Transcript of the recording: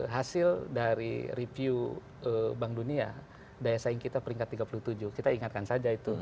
hasil dari review bank dunia daya saing kita peringkat tiga puluh tujuh kita ingatkan saja itu